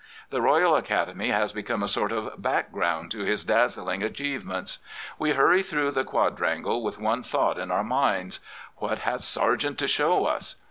The Royal Academy has become a sort of background to his dazzling achieve ments. We hurry through the quadrangle with one thought in our minds. What has Sargent to show us?